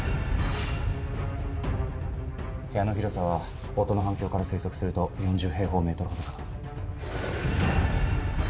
部屋の広さは音の反響から推測すると４０平方メートルほどだ。